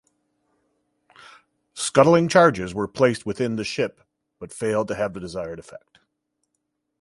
Scuttling charges were placed within the ship but failed to have the desired effect.